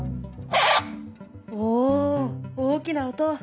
お大きな音！